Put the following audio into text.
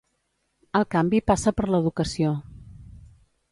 El canvi passa per l'educació.